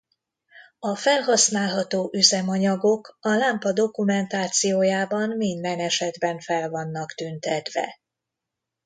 A felhasználható üzemanyagok a lámpa dokumentációjában minden esetben fel vannak tüntetve.